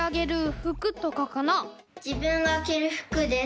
じぶんがきるふくです。